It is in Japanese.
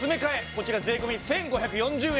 こちら税込１５４０円。